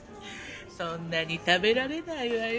そんなに食べられないわよ。